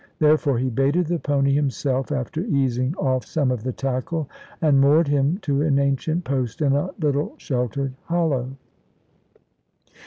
Therefore he baited the pony himself, after easing off some of the tackle, and moored him to an ancient post in a little sheltered hollow.